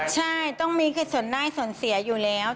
ใช่ต้องมีคือส่วนได้ส่วนเสียอยู่แล้ว